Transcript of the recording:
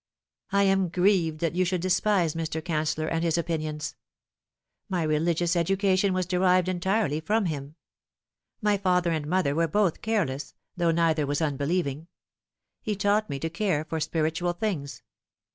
" I am grieved that you should despise Mr. Canceller and his opinions. My religious education was derived entirely from him. My father and mother were both careless, though neither was unbelieving. He taught me to care for spiritual things.